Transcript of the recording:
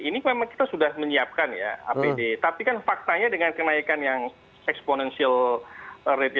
ini memang kita sudah menyiapkan ya apd tapi kan faktanya dengan kenaikan yang exponantial rate